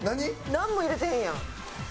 なんも入れてへんやん。